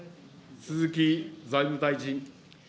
鈴木財務大臣。